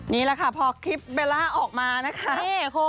นี่แหละค่ะพอคลิปเบลล่าออกมานะคะ